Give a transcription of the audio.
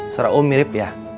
surah om mirip ya